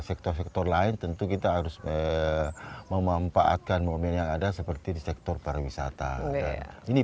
sektor sektor lain tentu kita harus memanfaatkan momen yang ada seperti di sektor pariwisata dan ini